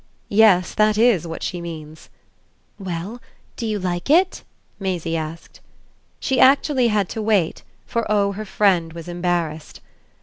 "Yes, that IS what she means." "Well, do you like it?" Maisie asked. She actually had to wait, for oh her friend was embarrassed!